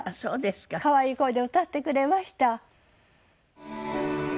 可愛い声で歌ってくれました。